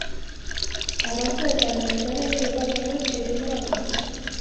Arrantza eta landaredi oparoa duen eremua da.